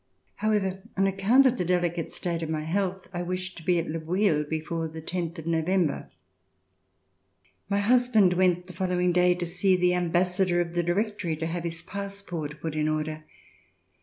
However, on account of the delicate state of my health, I wished to be at Le Bouilh before the tenth of November. My husband went the following day to see the ambassador of the Directory to have his passport put in order.